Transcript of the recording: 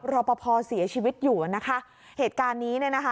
รอปภเสียชีวิตอยู่อ่ะนะคะเหตุการณ์นี้เนี่ยนะคะ